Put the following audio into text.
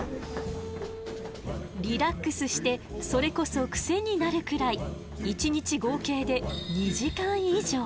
リラックスしてそれこそクセになるくらい１日合計で２時間以上。